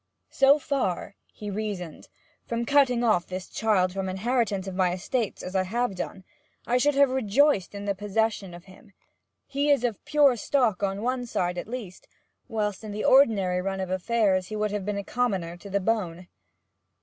'So far,' he reasoned, 'from cutting off this child from inheritance of my estates, as I have done, I should have rejoiced in the possession of him! He is of pure stock on one side at least, whilst in the ordinary run of affairs he would have been a commoner to the bone.'